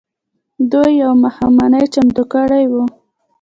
دوی يوه ماښامنۍ چمتو کړې وه.